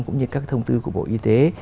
cũng như các thông tư của bộ y tế